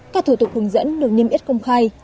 các thủ tục hướng dẫn được niêm yết công khai